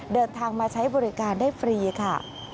เดินทางมาใช้บริการได้ฟรีค่ะ